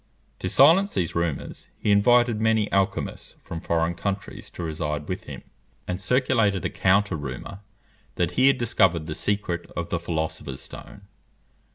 To silence these rumours, he invited many alchymists from foreign countries to reside with him, and circulated a counter rumour, that he had discovered the secret of the philosopher's stone.